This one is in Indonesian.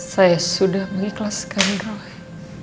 saya sudah mengikhlaskan roy